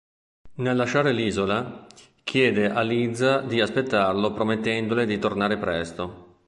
Nel lasciare l'isola, chiede a Liza di aspettarlo promettendole di tornare presto.